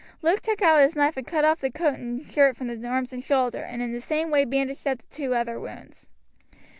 Luke took out his knife and cut off the coat and shirt from the arms and shoulder, and in the same way bandaged up the other two wounds.